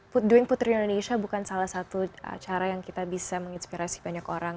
buat putri di indonesia bukan salah satu cara yang kita bisa menginspirasi banyak orang